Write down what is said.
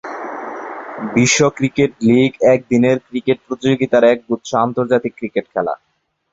বিশ্ব cricket league একদিনের cricket প্রতিযোগিতার একগুচ্ছ আন্তর্জাতিক ক্রিকেট খেলা।